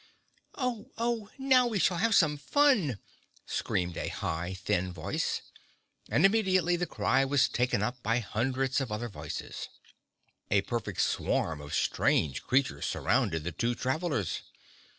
"Oh! Oh! Now we shall have some fun!" screamed a high, thin voice, and immediately the cry was taken up by hundreds of other voices. A perfect swarm of strange creatures surrounded the two travelers.